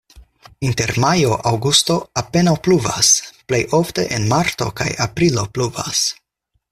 Inter majo-aŭgusto apenaŭ pluvas, plej ofte en marto kaj aprilo pluvas.